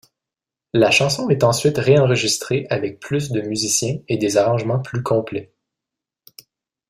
La chanson est ensuite réenregistrée avec plus de musiciens et des arrangements plus complets.